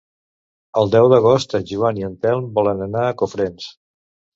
El deu d'agost en Joan i en Telm volen anar a Cofrents.